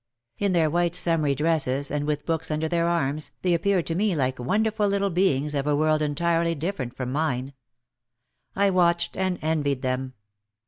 In their white summery dresses and with books under their arms, they appeared to me like wonderful little beings of a world entirely different from mine. I watched and envied them.